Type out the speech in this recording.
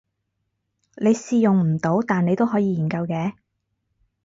你試用唔到但你都可以研究嘅